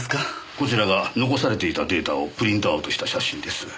こちらが残されていたデータをプリントアウトした写真です。